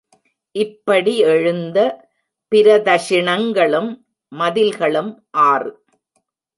இப்படி எழுந்த பிரதக்ஷிணங்களும் மதில்களும் ஆறு.